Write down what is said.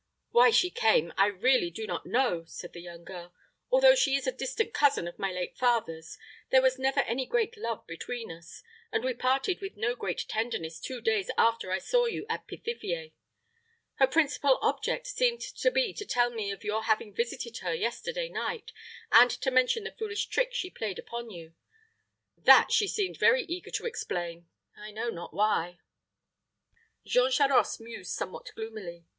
"Why she came, I really do not know," said the young girl. "Although she is a distant cousin of my late father's, there was never any great love between us, and we parted with no great tenderness two days after I saw you at Pithiviers. Her principal object seemed to be to tell me of your having visited her yesterday night, and to mention the foolish trick she played upon you. That she seemed very eager to explain I know not why." Jean Charost mused somewhat gloomily.